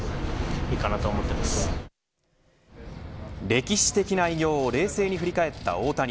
歴史的な偉業を冷静に振り返った大谷。